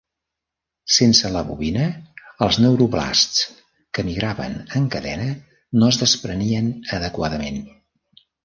Sense la bobina, els neuroblasts que migraven en cadena no es desprenien adequadament.